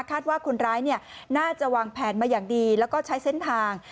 ว่าคนร้ายน่าจะวางแผนมาอย่างดีแล้วก็ใช้เส้นทาง